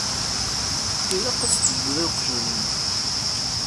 Ilaq ad s-tbeddeḍ i uqjun-nni.